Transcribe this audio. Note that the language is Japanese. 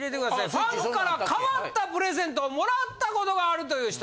ファンから変わったプレゼントをもらったことがあるという人。